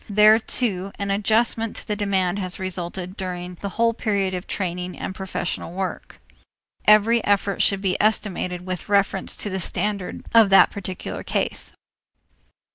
There, too, an adjustment to the demand has resulted during the whole period of training and professional work. Every effort should be estimated with reference to the standard of the particular case.